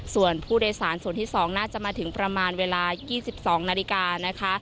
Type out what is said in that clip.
ส่วนผู้โดยสารส่วนที่๒น่าจะมาถึงประมาณเวลา๒๒นาฬิกานะคะ